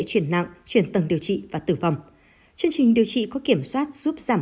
chuyển nặng chuyển tầng điều trị và tử vong chương trình điều trị có kiểm soát giúp giảm